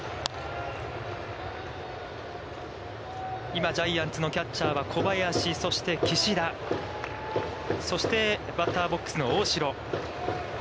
今ジャイアンツのキャッチャーは小林、そして岸田、そして、バッターボックスの大城。